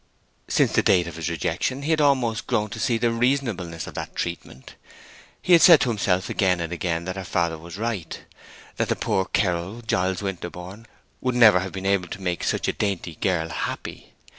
Since the date of his rejection he had almost grown to see the reasonableness of that treatment. He had said to himself again and again that her father was right; that the poor ceorl, Giles Winterborne, would never have been able to make such a dainty girl happy.